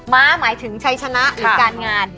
ม้าหมายถึงชัยชนะหรือการงาน